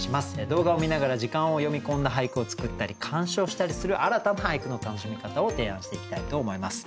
動画を観ながら時間を詠み込んだ俳句を作ったり鑑賞したりする新たな俳句の楽しみ方を提案していきたいと思います。